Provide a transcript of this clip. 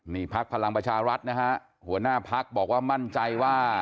นี่พักพลังประชารัฐนะฮะหัวหน้าพักบอกว่ามั่นใจว่า